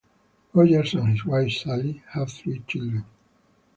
Rogers and his wife Sally have three children.